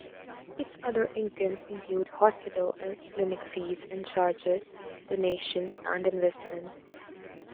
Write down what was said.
Its other incomes include hospital and clinic fees and charges, donations, and investment.